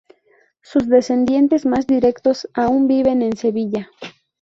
Sus descendientes más directos aún viven en Sevilla.